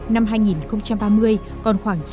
năm hai nghìn ba mươi còn khoảng trên hai mươi